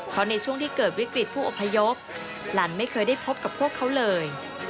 เพราะในช่วงที่เกิดวิกฤตผู้อพยพหลันไม่เคยได้พบกับพวกเขาเลย